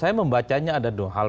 saya membacanya ada dua hal